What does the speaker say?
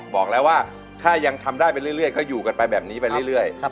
บอกแล้วว่าถ้ายังทำได้ไปเรื่อยก็อยู่กันไปแบบนี้ไปเรื่อย